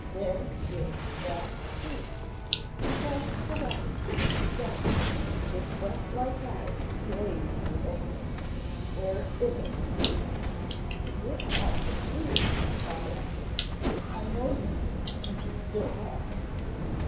Where is that tube?" He pressed the weapon to Jim's belt and his rat like eyes blazed with anger. "Where is it?" "We did have a tube," Bob answered. "I know you did and you still have."